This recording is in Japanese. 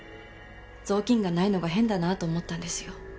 雑巾がないのが変だなと思ったんですよ。